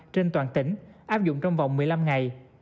trên toàn tỉnh áp dụng trong vòng một mươi năm ngày